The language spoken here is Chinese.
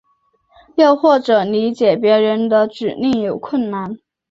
又或者理解别人的指令有困难。